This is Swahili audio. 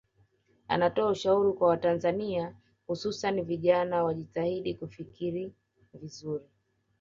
Anatoa ushauri kwa Watanzania hususani vijana wajitahidi kufikiri vizuri